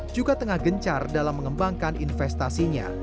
juga tengah gencar dalam mengembangkan investasinya